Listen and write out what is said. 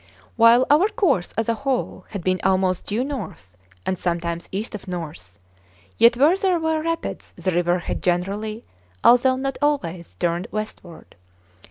While our course as a whole had been almost due north, and sometimes east of north, yet where there were rapids the river had generally, although not always, turned westward.